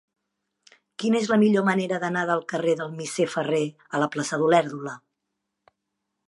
Quina és la millor manera d'anar del carrer del Misser Ferrer a la plaça d'Olèrdola?